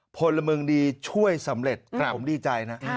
พลเมืองดีช่วยสำเร็จผมดีใจนะ